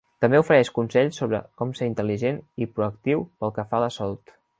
També ofereix consells sobre com ser intel·ligent i proactiu pel que fa a la salut.